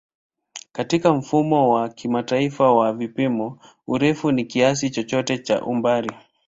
Katika Mfumo wa Kimataifa wa Vipimo, urefu ni kiasi chochote cha umbali.